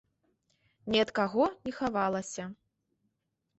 Ні ад каго не хавалася.